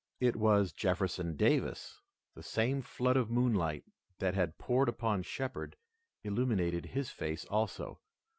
It was Jefferson Davis. The same flood of moonlight that had poured upon Shepard illuminated his face also.